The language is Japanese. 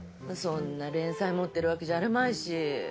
そんな連載持ってるわけじゃあるまいし。